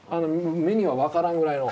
目には分からんぐらいの。